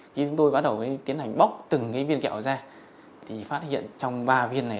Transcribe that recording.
khi chúng tôi bắt đầu tiến hành bóc từng cái viên kẹo ra thì phát hiện trong ba viên này